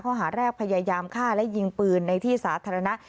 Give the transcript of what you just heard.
ข้อหาแรกพยายามฆ่าและยิงปืนในที่สาธารณะ